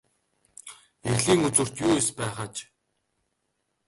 Эрлийн үзүүрт юу эс байх аж.